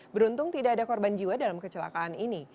beruntung tidak ada korban jiwa dalam kecelakaan ini